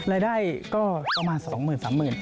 รายได้ก็ประมาณ๒๓๐๐๐บาท